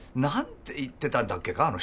何て言ってたんだっけか？